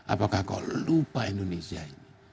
apakah kau lupa indonesia ini